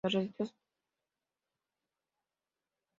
La recetas sugieren diversos ingredientes para darle sabor.